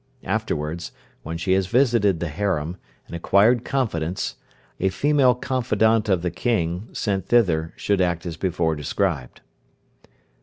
Afterwards, when she has visited the harem, and acquired confidence, a female confidante of the King, sent thither, should act as before described.